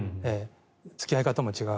付き合い方も違う。